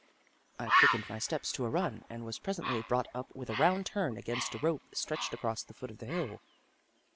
I quickened my steps to a run, and was presently brought up with a round turn against a rope stretched across the foot of the hill.